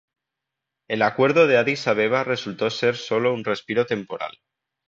El Acuerdo de Adís Abeba resultó ser sólo un respiro temporal.